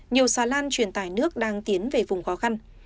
nhiều xà lan truyền tải nước đang tiến về vùng khó khăn